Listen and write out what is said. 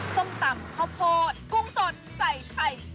ซ่อมตำข้าวโปรดกุ้งส่วนใส่ไข่เค็ม